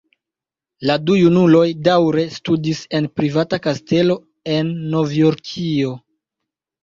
La du kunuloj daŭre studis en privata kastelo en Novjorkio.